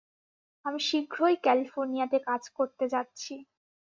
আমি শীঘ্রই ক্যালিফোর্নিয়াতে কাজ করতে যাচ্ছি।